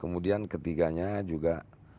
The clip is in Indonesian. kemudian ketiganya juga